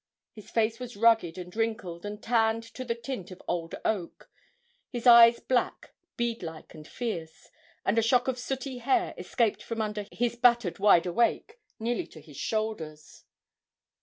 His face was rugged and wrinkled, and tanned to the tint of old oak; his eyes black, beadlike, and fierce, and a shock of sooty hair escaped from under his battered wide awake nearly to his shoulders.